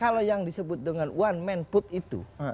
kalau yang disebut dengan one man put itu